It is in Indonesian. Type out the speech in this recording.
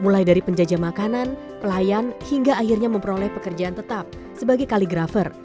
mulai dari penjajah makanan pelayan hingga akhirnya memperoleh pekerjaan tetap sebagai kaligrafer